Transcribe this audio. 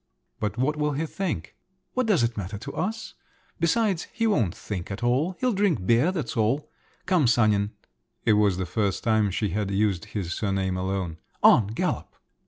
"But what will he think?" "What does it matter to us? Besides, he won't think at all; he'll drink beer—that's all. Come, Sanin (it was the first time she had used his surname alone), on, gallop!"